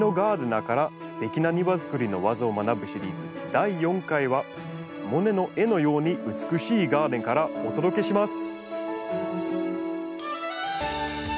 第４回はモネの絵のように美しいガーデンからお届けします。